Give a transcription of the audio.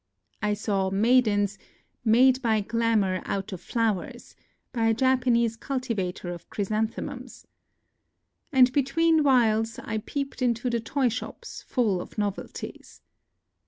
I saw maidens " made by glamour out of flowers" by a Japanese cultivator of chrysanthemums. And between whiles I peeped into the toy shops, full of novelties.